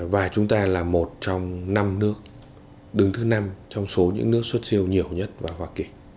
và chúng ta là một trong năm nước đứng thứ năm trong số những nước xuất siêu nhiều nhất vào hoa kỳ